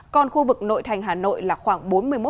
còn khu vực nội thành hà nội là khoảng bốn mươi một